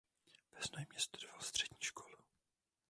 Ve Znojmě studoval střední školu.